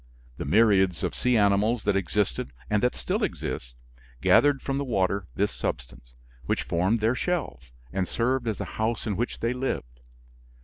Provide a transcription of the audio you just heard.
The myriads of sea animals that existed, and that still exist, gathered from the water this substance, which formed their shells, and served as a house in which they lived.